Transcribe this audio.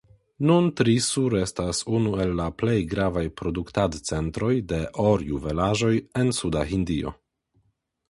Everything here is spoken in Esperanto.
Nun Trissur estas unu el la plej gravaj produktadcentroj de orjuvelaĵoj en Suda Hindio.